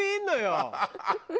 ハハハハ！